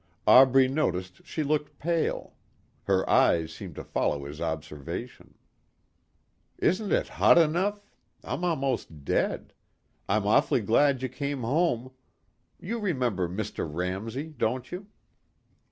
Aubrey noticed she looked pale. Her eyes seemed to follow his observation. "Isn't it hot though? I'm almost dead. I'm awfully glad you came home. You remember Mr. Ramsey, don't you?"